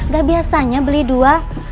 gak biasanya beli dua